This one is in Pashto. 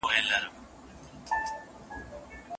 غلامان دي خپل بادار ته ډېروه یې